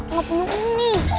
uang punya umi